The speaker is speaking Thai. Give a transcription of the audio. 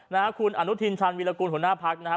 นะครับคุณอนุทินชันวีรกุลหัวหน้าพักนะฮะ